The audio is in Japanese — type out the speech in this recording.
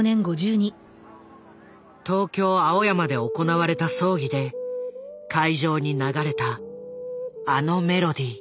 東京・青山で行われた葬儀で会場に流れたあのメロディー。